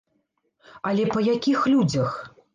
Але па якіх людзях?